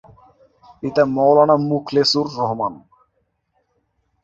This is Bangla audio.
পিতা মওলানা মুখলেসুর রহমান।